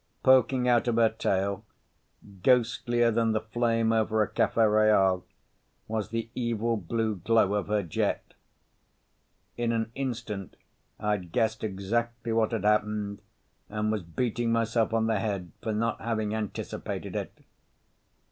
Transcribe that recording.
Poking out of her tail, ghostlier than the flame over a cafe royale, was the evil blue glow of her jet. In an instant I'd guessed exactly what had happened and was beating myself on the head for not having anticipated it.